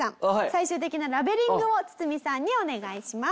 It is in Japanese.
最終的なラベリングをツツミさんにお願いします。